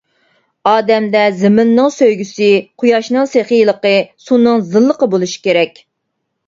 ئادەمدە زېمىننىڭ سۆيگۈسى، قۇياشنىڭ سېخىيلىقى، سۇنىڭ زىللىقى بولۇشى كېرەك.